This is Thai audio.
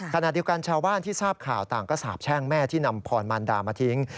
ขณะเดียวกันชาวบ้านที่ทราบข่าวต่างก็สาบแช่งแม่ที่นำพรมันดามาทิ้ง